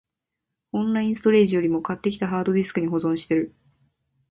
オンラインストレージよりも、買ってきたハードディスクに保存してる